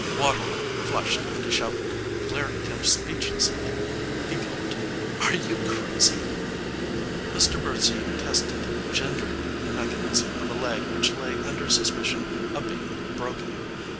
Waterall, flushed and dishevelled, glared at him speechlessly. He gulped. 'Are you crazy?' Mr Birdsey tested gingerly the mechanism of a leg which lay under suspicion of being broken.